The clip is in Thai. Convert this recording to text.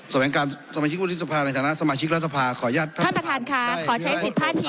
สวัยงการสมาชิกวุธิสภาในฐานะสมาชิกรัฐสภาขออนุญาตท่านประธานครับ